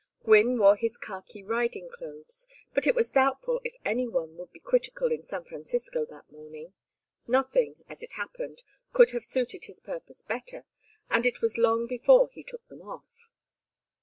Gwynne wore his khaki riding clothes, but it was doubtful if any one would be critical in San Francisco that morning. Nothing, as it happened, could have suited his purpose better, and it was long before he took them off.